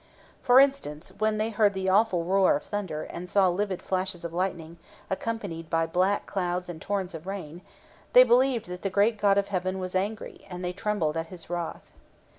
For instance, when they heard the awful roar of thunder, and saw vivid flashes of lightning, accompanied by black clouds and torrents of rain, they believed that the great god of heaven was angry, and they trembled at his wrath.